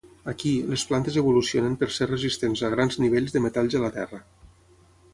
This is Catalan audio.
Aquí, les plantes evolucionen per ser resistents a grans nivells de metalls a la terra.